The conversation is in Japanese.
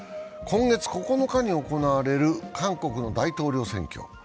今月９日に行われる韓国の大統領選挙。